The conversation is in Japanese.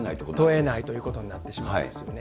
問えないということになってしまうんですよね。